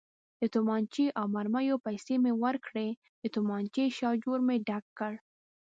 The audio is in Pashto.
د تومانچې او مرمیو پیسې مې ورکړې، د تومانچې شاجور مې ډک کړ.